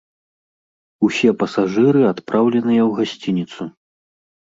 Усе пасажыры адпраўленыя ў гасцініцу.